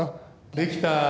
できた！